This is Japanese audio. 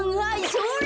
それ！